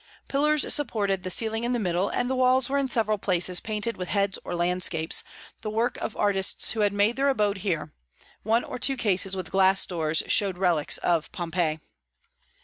Pillars supported the ceiling in the middle, and the walls were in several places painted with heads or landscapes, the work of artists who had made their abode here; one or two cases with glass doors showed relics of Pompeii.